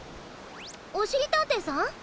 おしりたんていさん？